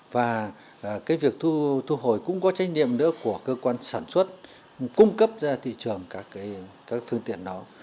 và việc thu hồi cũng có trách nhiệm nữa của cơ quan sản xuất cung cấp ra thị trường các phương tiện đó